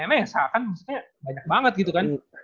kan maksudnya banyak banget gitu kan